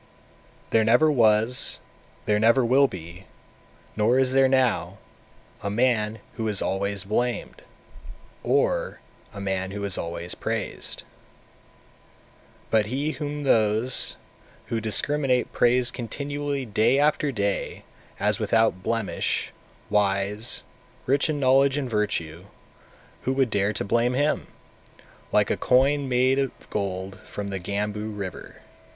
228. There never was, there never will be, nor is there now, a man who is always blamed, or a man who is always praised. 229, 230. But he whom those who discriminate praise continually day after day, as without blemish, wise, rich in knowledge and virtue, who would dare to blame him, like a coin made of gold from the Gambu river?